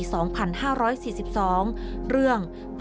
ระบุว่าเป็นมติที่๑๙๓ปี๒๕๔๒